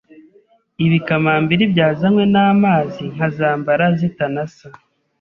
ibikamambiri byazanywe n’amazi nkazambara zitanasa